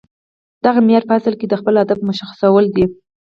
دغه معیار په اصل کې د خپل هدف مشخصول دي